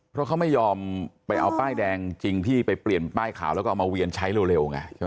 เพราะเขาไม่ยอมไปเอาป้ายแดงจริงที่ไปเปลี่ยนป้ายขาวแล้วก็เอามาเวียนใช้เร็วไงใช่ไหม